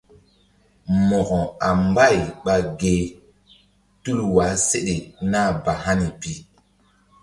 Mo̧ko a mbay ɓa ge tul wah seɗe nah ba hani pi.